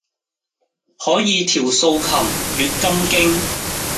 可以調素琴，閱金經